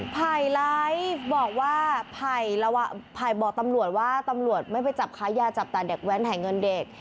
ไถไลฟ์บอกว่าไถบอกตำรวจว่าไม่ไปจับคล้ายยาแต่แต่เด็กแว้นให้เงินเด็ก